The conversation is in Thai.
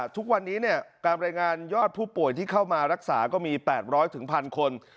ทุกวันนี้การรายงานยอดผู้ป่วยที่เข้ามารักษาก็มี๘๐๐๑๐๐คน